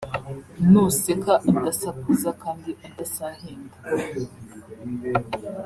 ni useka adasakuza kandi adasahinda